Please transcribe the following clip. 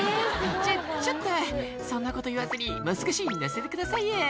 「ちょっとそんなこと言わずにもう少し乗せてくださいよ」